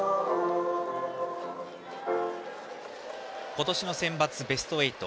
今年のセンバツベスト８。